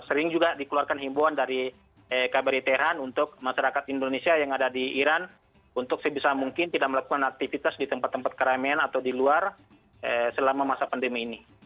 sering juga dikeluarkan himbuan dari kbri teheran untuk masyarakat indonesia yang ada di iran untuk sebisa mungkin tidak melakukan aktivitas di tempat tempat keramaian atau di luar selama masa pandemi ini